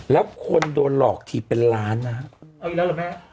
แล้วคนโดนหลอกถีบเป็นล้านนะฮะเอาอีกแล้วเหรอแม่